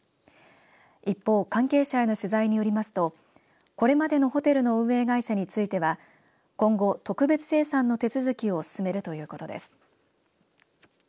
一方、関係者への取材によりますとこれまでのホテルの運営会社については今後、特別清算の手続きを進めるということです。